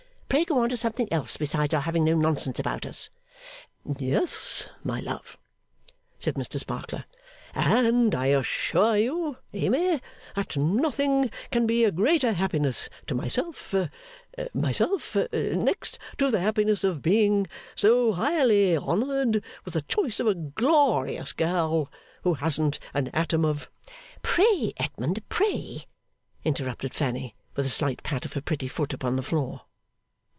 Pray go on to something else besides our having no nonsense about us.' 'Yes, my love,' said Mr Sparkler. 'And I assure you, Amy, that nothing can be a greater happiness to myself, myself next to the happiness of being so highly honoured with the choice of a glorious girl who hasn't an atom of ' 'Pray, Edmund, pray!' interrupted Fanny, with a slight pat of her pretty foot upon the floor.